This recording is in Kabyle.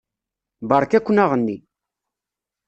Beṛka-ken aɣenni.